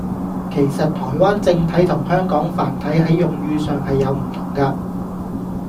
其實「台灣正體」同「香港繁體」係用語上係有唔同架